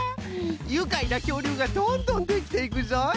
ゆかいなきょうりゅうがどんどんできていくぞい！